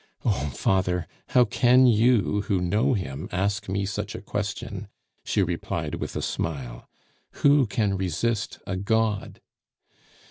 "Oh, Father, how can you, who know him, ask me such a question!" she replied with a smile. "Who can resist a god?"